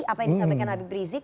apa yang disampaikan habib rizik